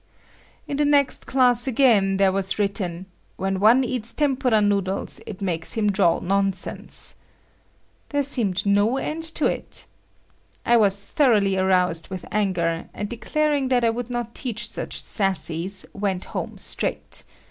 In the next class again there was written: "When one eats tempura noodles it makes him drawl nonsense." There seemed no end to it. I was thoroughly aroused with anger, and declaring that I would not teach such sassies, went home straight.